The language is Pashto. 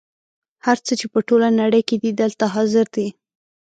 هر څه چې په ټوله نړۍ کې دي دلته حاضر دي.